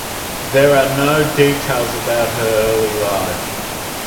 There are no details about her early life.